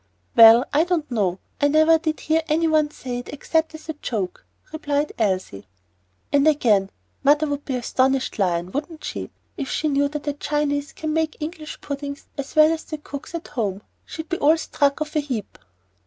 "Well, I don't know. I never did hear any one say it except as a joke," replied Elsie. And again: "Mother would be astonished, Lion, wouldn't she, if she knew that a Chinese can make English puddings as well as the cooks at home. She'd be all struck of a heap."